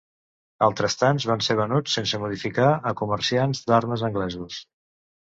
Altres tants van ser venuts sense modificar a comerciants d'armes anglesos.